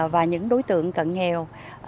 và những đối tượng cận nghèo